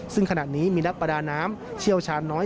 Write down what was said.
ซึ่งขณะนี้มีนักประดาน้ำเชี่ยวชาญน้อย